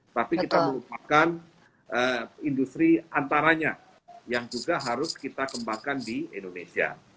tapi kita melupakan industri antaranya yang juga harus kita kembangkan di indonesia